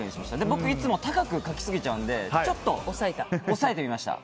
僕いつも高く書きすぎちゃうのでちょっと抑えてみました。